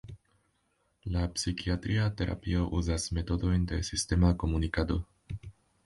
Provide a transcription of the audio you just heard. La psikiatria terapio uzas metodojn de sistema komunikado.